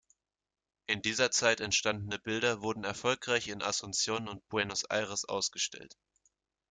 In dieser Zeit entstandene Bilder wurden erfolgreich in Asunción und Buenos Aires ausgestellt.